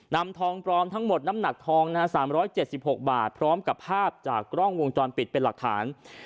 นำทองปลอมทั้งหมดน้ำหนักทอง๓๗๖บาทพร้อมกับภาพจากกล้องวงจรปิดเป็นหลักฐาน